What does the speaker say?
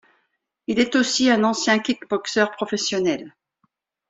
Il est aussi un ancien kickboxer professionnel.